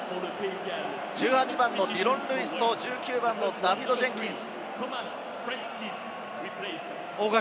１８番のディロン・ルイスと１９番のダフィド・ジェンキンス。